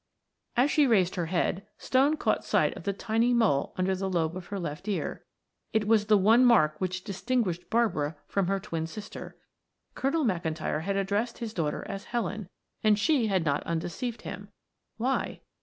As she raised her head Stone caught sight of the tiny mole under the lobe of her left ear. It was the one mark which distinguished Barbara from her twin sister. Colonel McIntyre had addressed his daughter as Helen, and she had not undeceived him Why?